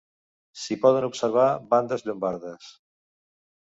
S'hi poden observar bandes llombardes.